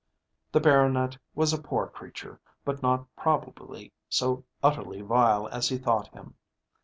The baronet was a poor creature, but not probably so utterly vile as he thought him.